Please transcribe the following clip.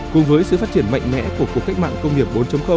cùng với sự phát triển mạnh mẽ của cuộc cách mạng công nghiệp bốn